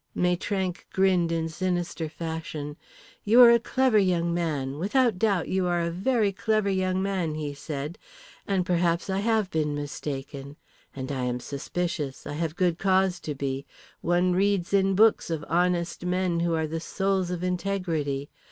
Maitrank grinned in sinister fashion. "You are a clever young man; without doubt you are a very clever young man," he said. "And perhaps I have been mistaken. And I am suspicious; I have good cause to be. One reads in books of honest men who are the souls of integrity.